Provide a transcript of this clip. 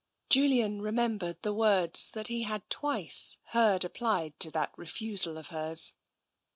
Julian remembered the words that he had twice heard applied to that refusal of hers.